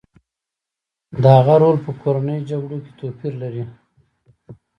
د هغه رول په کورنیو جګړو کې توپیر لري